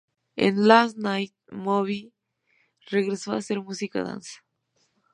En "Last Night", Moby regresó a hacer música dance.